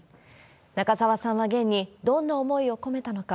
中沢さんはゲンに、どんな思いを込めたのか。